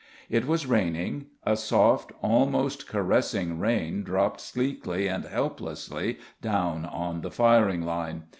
It was raining; a soft, almost caressing rain dropped sleekly and helplessly down on the firing line.